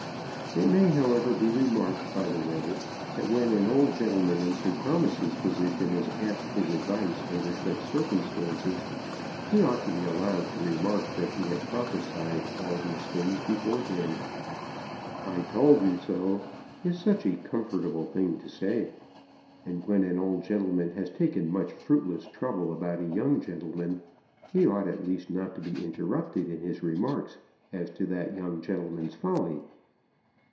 It may, however, be remarked, by the way, that when an old gentleman in Sir Thomas's position is asked his advice under such circumstances, he ought to be allowed to remark that he had prophesied all these things beforehand. "I told you so," is such a comfortable thing to say! And when an old gentleman has taken much fruitless trouble about a young gentleman, he ought at least not to be interrupted in his remarks as to that young gentleman's folly.